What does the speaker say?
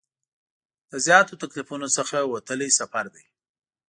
له زیاتو تکلیفونو څخه وتلی سفر دی.